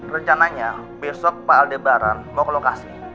rencananya besok pak aldebaran mau ke lokasi